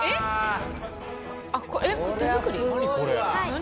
何？